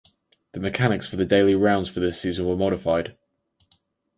The mechanics for the daily rounds for this season were modified.